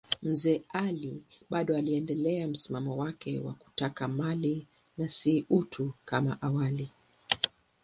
Mzee Ali bado aliendelea msimamo wake wa kutaka mali na si utu kama awali.